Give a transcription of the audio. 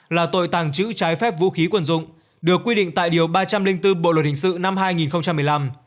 là tội tàng trữ trái phép vũ khí quần dụng được quy định tại điều ba trăm linh bốn bộ luật hình sự năm hai nghìn một mươi năm